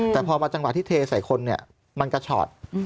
แต่พอมาจังหวะที่เทใส่คนเนี่ยมันกระชอต